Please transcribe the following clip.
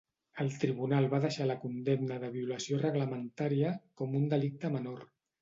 El tribunal va deixar la condemna de violació reglamentaria, con un delicte menor.